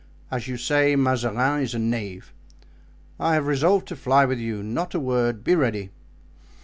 As you say, Mazarin is a knave. I have resolved to fly with you, not a word—be ready.